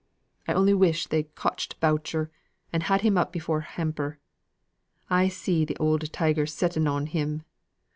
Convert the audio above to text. I only wish they'd cotched Boucher, and had him up before Hamper. I see th' oud tiger setting on him!